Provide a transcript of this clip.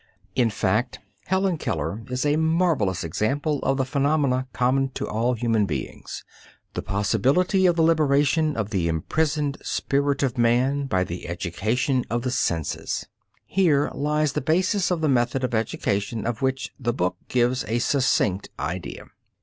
In fact, Helen Keller is a marvelous example of the phenomenon common to all human beings: the possibility of the liberation of the imprisoned spirit of man by the education of the senses. Here lies the basis of the method of education of which the book gives a succinct idea.